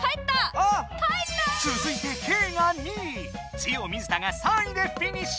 ジオ水田が３位でフィニッシュ！